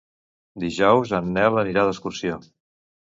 Dijous en Nel anirà d'excursió.